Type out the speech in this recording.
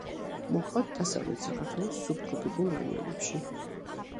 მოჰყავთ დასავლეთ საქართველოს სუბტროპიკულ რაიონებში.